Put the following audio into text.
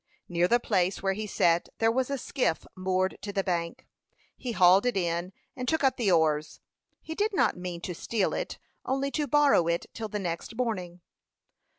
Near the place where he sat there was a skiff moored to the bank. He hauled it in, and took up the oars. He did not mean to steal it, only to borrow it till the next morning.